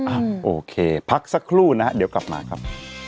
โอเคพักสักครู่นะฮะเดี๋ยวกลับมาครับ